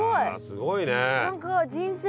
すごいね。